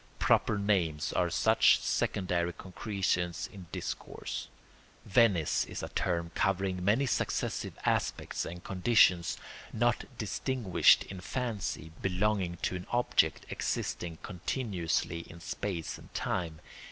Proper names are such secondary concretions in discourse. "Venice" is a term covering many successive aspects and conditions, not distinguished in fancy, belonging to an object existing continuously in space and time.